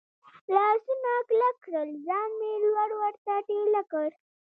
لاسونه کلک کړل، ځان مې لوړ ور ټېله کړ.